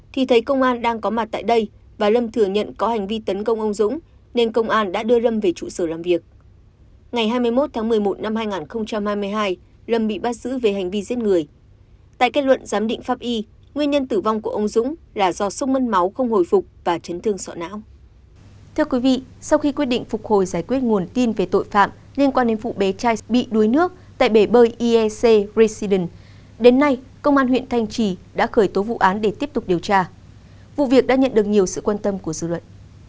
thưa quý vị sau khi quyết định phục hồi giải quyết nguồn tin về tội phạm liên quan đến vụ bé trai bị đuối nước tại bể bơi iec residence đến nay công an huyện thanh trì đã khởi tố vụ án để tiếp tục điều tra vụ việc đã nhận được nhiều sự quan tâm của dư luận